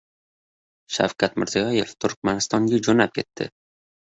Shavkat Mirziyoev Turkmanistonga jo‘nab ketdi